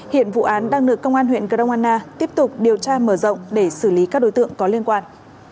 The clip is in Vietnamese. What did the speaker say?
hiện vụ án đang được công an huyện grong anna tiếp tục điều tra mở rộng để xử lý các đối tượng có liên quan